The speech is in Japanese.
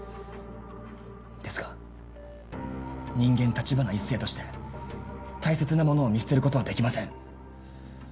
ですが人間橘一星として大切なものを見捨てることはできません。